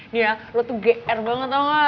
nih lu tuh gr banget tau gak